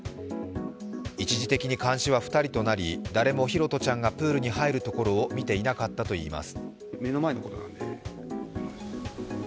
一時的に監視は２人となり、誰も拓杜ちゃんがプールに入るところを見ていなかったといいます。